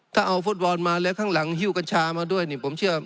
ถ้าเอาฟุตบอลมาแล้วข้างหลังฮิ้วกัญชามาด้วยนี่ผมเชื่อ